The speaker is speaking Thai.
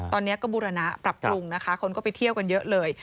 ตอนนี้ก็บูรณะปรับปรุงนะคะคนก็ไปเที่ยวกันเยอะเลย